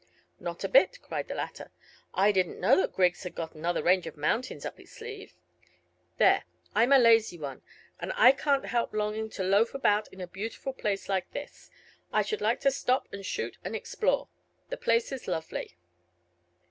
"Not a bit," cried the latter. "I didn't know that Griggs had got another range of mountains up his sleeve. There, I'm a lazy one, and I can't help longing to loaf about in a beautiful place like this. I should like to stop and shoot and explore. The place is lovely."